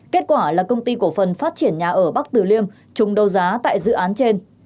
kết quả là công ty cổ phần phát triển nhà ở bắc tử liêm chung đấu giá tại dự án trên